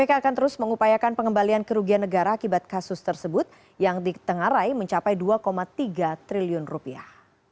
kpk akan terus mengupayakan pengembalian kerugian negara akibat kasus tersebut yang ditengarai mencapai dua tiga triliun rupiah